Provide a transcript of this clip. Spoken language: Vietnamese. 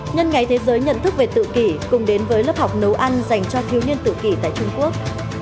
nhân ngày thế giới nhận thức về tự kỷ cùng đến với lớp học nấu ăn dành cho thiếu niên tự kỷ tại trung quốc